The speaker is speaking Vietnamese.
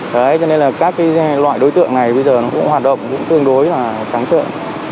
đấy cho nên là các cái loại đối tượng này bây giờ nó cũng hoạt động cũng tương đối là trắng trợn